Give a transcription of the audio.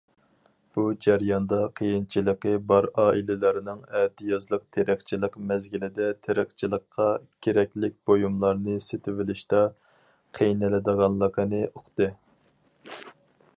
بۇ جەرياندا قىيىنچىلىقى بار ئائىلىلەرنىڭ ئەتىيازلىق تېرىقچىلىق مەزگىلىدە تېرىقچىلىققا كېرەكلىك بۇيۇملارنى سېتىۋېلىشتا قىينىلىدىغانلىقىنى ئۇقتى.